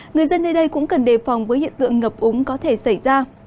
người dân nơi đây cũng cần đề phòng với hiện tượng ngập úng có thể xảy ra